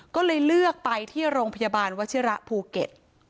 ก็เลยเลือกไปที่โรงพยาบาลวชิระภูเก็ต